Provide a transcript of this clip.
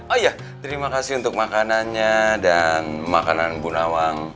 oh iya terima kasih untuk makanannya dan makanan bu nawang